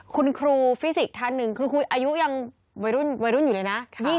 คุณครูฟิสิกส์ท่านหนึ่งคุณครูอายุยังวัยรุ่นอยู่เลยนะ